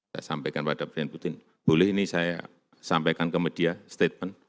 saya sampaikan pada presiden putin boleh ini saya sampaikan ke media statement